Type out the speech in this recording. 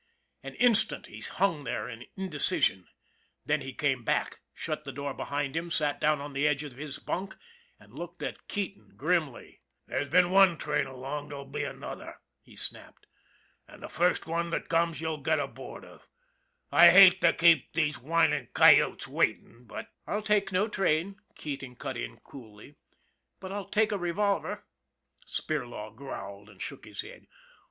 An instant he hung there in indecision, then he came back, shut the door behind him, sat down on the edge of his bunk, and looked at Keating grimly. " There's been one train along, there'll be another," he snapped. " An' the first one that comes you'll get aboard of. I hate to keep those whinin' coyotes waitin', bat " I'll take no train," Keating cut in coolly ;" but I'll take a revolver." Spirlaw growled and shook his head.